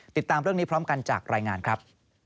ติดตามเรื่องนี้พร้อมกันจากรายงานครับ